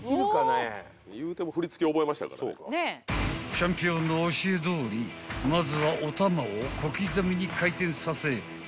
［チャンピオンの教えどおりまずはおたまを小刻みに回転させ「決め」たら］